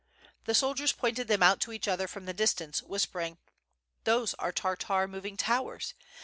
The soldiers pointed them out to each other from the distance, whispering: "Those are Tartar moving towers.